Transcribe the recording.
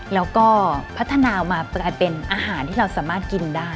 แล้วก็พัฒนามากลายเป็นอาหารที่เราสามารถกินได้